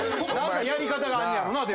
やり方があんねやろな。